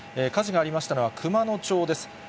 火事がありましたのは、熊野町です。